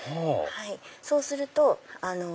そうすると。